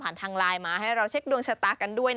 ทางไลน์มาให้เราเช็คดวงชะตากันด้วย